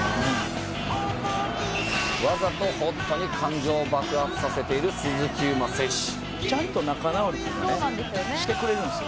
「わざとＨＯＴに感情を爆発させている鈴木優磨選手」「ちゃんと仲直りというかねしてくれるんですよ」